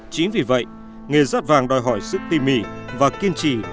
chính vì vậy nghề rát vàng đòi hỏi sức tỉ mỉ và kiên trì